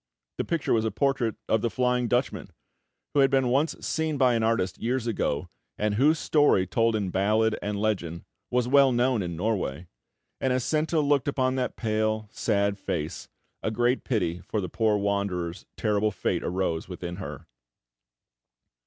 The picture was a portrait of the Flying Dutchman, who had been once seen by an artist years ago, and whose story told in ballad and legend was well known in Norway; and as Senta looked upon that pale, sad face, a great pity for the poor wanderer's terrible fate arose within her.